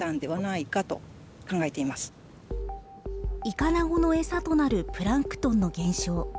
イカナゴの餌となるプランクトンの減少。